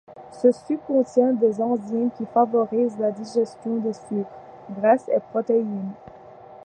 Ce suc contient des enzymes qui favorisent la digestion des sucres, graisses et protéines.